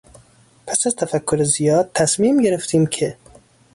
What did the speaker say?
پس از تفکر زیاد تصمیم گرفتیم که...